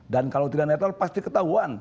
dan kalau tidak netral pasti ketahuan